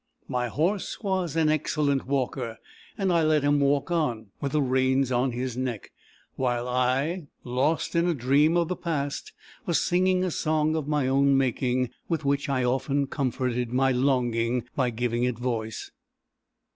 My horse was an excellent walker, and I let him walk on, with the reins on his neck; while I, lost in a dream of the past, was singing a song of my own making, with which I often comforted my longing by giving it voice.